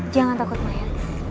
jangan takut maya